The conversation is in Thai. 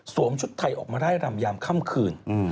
สวมชุดไทยออกมาไล่รำยามค้ำคืน